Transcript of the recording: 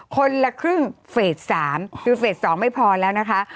คนละครึ่งเฟส๓คือเฟส๒ไม่พอแล้วนะคะ